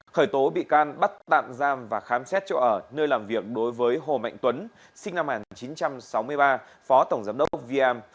khởi tố bị can bắt tạm giam và khám xét chỗ ở nơi làm việc đối với hồ mạnh tuấn sinh năm một nghìn chín trăm sáu mươi ba phó tổng giám đốc vm